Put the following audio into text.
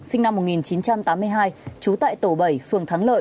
sinh năm một nghìn chín trăm tám mươi hai trú tại tổ bảy phường thắng lợi